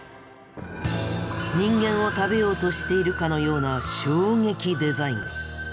人間を食べようとしているかのような衝撃デザイン。